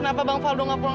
kenapa bang faldo gak pusing